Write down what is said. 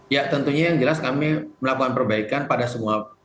ya tentunya yang jelas kami melakukan perbaikan pada semua